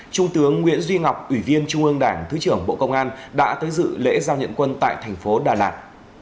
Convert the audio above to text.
trung tướng nguyễn duy ngọc ủy viên trung ương đảng thứ trưởng bộ công an đã tới dự lễ giao nhận quân tại thành phố đà lạt